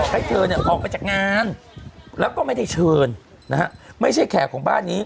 ให้เธอเนี่ยออกไปจากงานแล้วก็ไม่ได้เชิญนะฮะไม่ใช่แขกของบ้านนี้